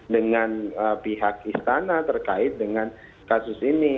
dengan pihak istana terkait dengan kasus ini